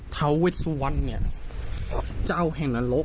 เทาเวชวันเจ้าแห่งหนังลบ